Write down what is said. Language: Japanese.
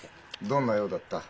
どんな用だった？